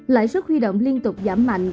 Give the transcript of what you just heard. lãi suất huy động liên tục giảm mạnh